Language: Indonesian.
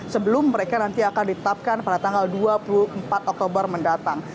sebelum mereka nanti akan ditetapkan pada tanggal dua puluh empat oktober mendatang